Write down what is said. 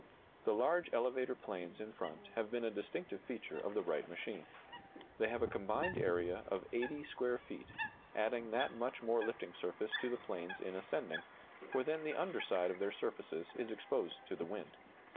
The large elevator planes in front have been a distinctive feature of the Wright machine. They have a combined area of 80 square feet, adding that much more lifting surface to the planes in ascending, for then the under side of their surfaces is exposed to the wind.